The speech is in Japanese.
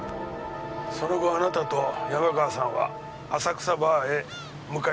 その後あなたと山川さんは浅草バーへ向かいましたね？